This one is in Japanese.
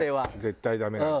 絶対ダメよ。